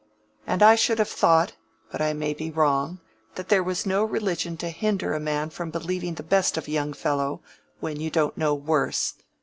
And I should have thought—but I may be wrong—that there was no religion to hinder a man from believing the best of a young fellow, when you don't know worse.